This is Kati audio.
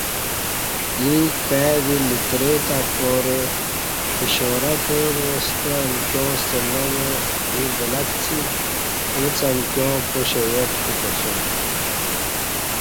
ییں کائ دی لترے تہ پارہ اشارہ کعبا ستہ امکیاں ستہ نام ایں ولہ څی اُݩڅ امکیاں پاشہ یاد کوتاسیوم